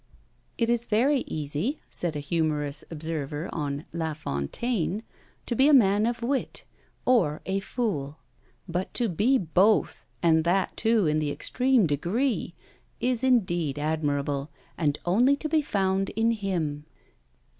It is very easy, said a humorous observer on La Fontaine, to be a man of wit, or a fool; but to be both, and that too in the extreme degree, is indeed admirable, and only to be found in him.